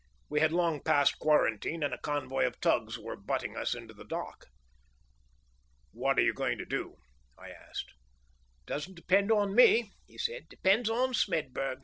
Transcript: We had long passed quarantine and a convoy of tugs were butting us into the dock. "What are you going to do?" I asked. "Doesn't depend on me," he said. "Depends on Smedburg.